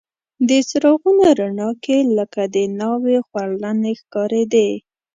د څراغونو رڼا کې لکه د ناوې خورلڼې ښکارېدې.